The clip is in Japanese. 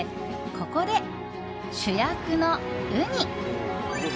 ここで主役のウニ！